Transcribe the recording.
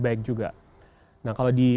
baik juga kalau di